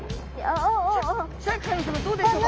シャーク香音さまどうでしょうか？